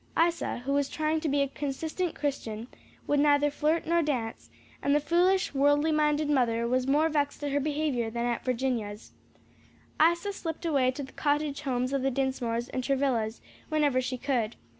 Isa, who was trying to be a consistent Christian, would neither flirt nor dance, and the foolish, worldly minded mother was more vexed at her behavior than at Virginia's. Isa slipped away to the cottage homes of the Dinsmores and Travillas whenever she could.